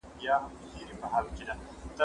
زه مکتب ته تللي دي؟